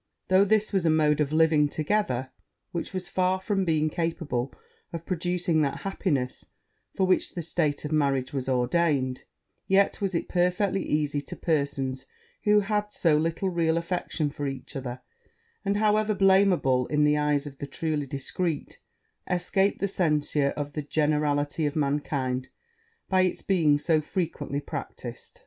Though this was a mode of living together, which was far from being capable of producing that happiness for which the state of marriage was ordained, yet was it perfectly easy to persons who had so little real affection for each other; and, however blameable in the eyes of the truly discreet, escaped the censure of the generality of mankind, by it's being so frequently practised.